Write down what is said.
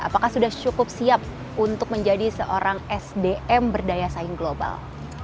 apakah sudah cukup siap untuk menjadi seorang sdm berdaya saing global